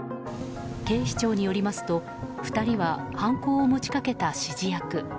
警視庁によりますと２人は犯行を持ち掛けた指示役。